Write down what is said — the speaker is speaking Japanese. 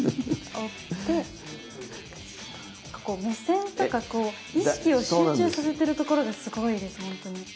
目線とか意識を集中させてるところがすごいです本当に。